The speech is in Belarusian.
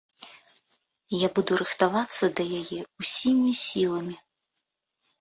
Я буду рыхтавацца да яе ўсімі сіламі.